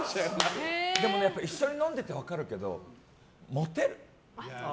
でも、一緒に飲んでて分かるけどモテる。